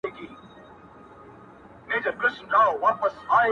چي تلاوت وي ورته خاندي، موسيقۍ ته ژاړي~